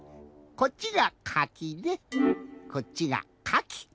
こっちが「かき」でこっちが「かき」。